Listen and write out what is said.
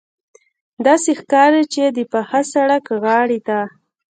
داسې ښکاري چې د پاخه سړک غاړې ته.